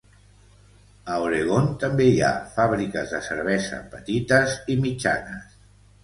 A Oregon també hi ha fàbriques de cervesa petites i mitjanes.